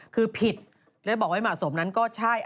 คือผิดและบอกเนี่ยแล้วว่าสนมนั้นก็ใช่